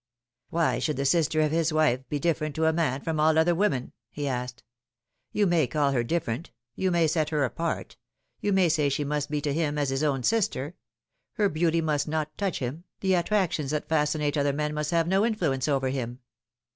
" Why should the sister of his wife te different to a man from all other women ?" he asked. " You may call her different Shall She be Less than Another ? 115 you may set her apart you may say she must be to him as his own sister her beauty must not touch him, the attractions that fascinate other men must have no influence over him.